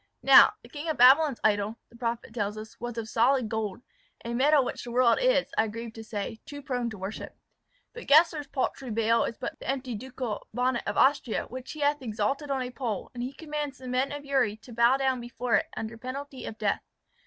Now, the King of Babylon's idol, the prophet tells us, was of solid gold, a metal which the world is, I grieve to say, too prone to worship; but Gessler's paltry Baal is but the empty ducal bonnet of Austria, which he hath exalted on a pole; and he commands the men of Uri to bow down before it, under penalty of death.